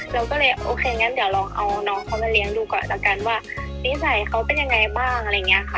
เราก็เลยโอเคงั้นเดี๋ยวลองเอาน้องเขามาเลี้ยงดูก่อนแล้วกันว่านิสัยเขาเป็นยังไงบ้างอะไรอย่างนี้ค่ะ